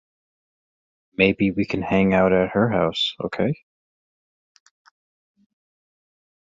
Maybe we can hang out at her house. Okay?